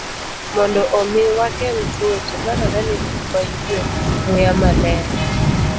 Mondo omi wageng' tuoche, dwarore ni waywe muya maler.